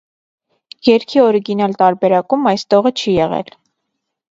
Երգի օրիգինալ տարբերակում այս տողը չի եղել։